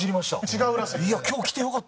違うらしいです。